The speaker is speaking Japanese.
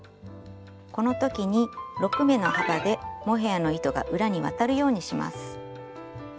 この時に６目の幅でモヘアの糸が裏に渡るようにします。